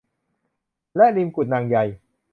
และริมกุดนางใย